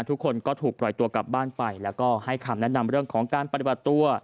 ทุกคนก็ถูกปล่อยตัวกลับบ้านไปแล้วก็ให้คำแนะนำเรื่องของการปฏิบัติตัว